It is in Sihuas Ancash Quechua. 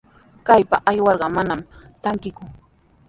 Kaypa aywarqa manami trankiku.